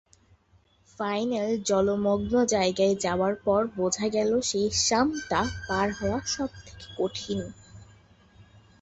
Final জলমগ্ন জায়গায় যাওয়ার পর বোঝা গেল সেই সাম্পটা পার হওয়া সবথেকে কঠিন।